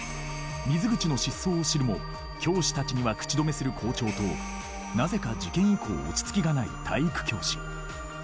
水口の失踪を知るも教師たちには口止めする校長となぜか事件以降落ち着きがない体育教師。